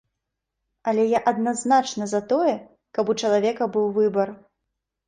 Але я адназначна за тое, каб у чалавека быў выбар.